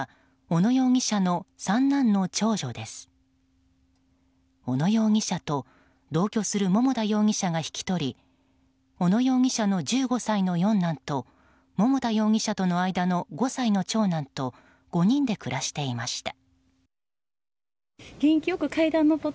小野容疑者と同居する桃田容疑者が引き取り小野容疑者の１５歳の四男と桃田容疑者との間の５歳の長男と５人で暮らしていました。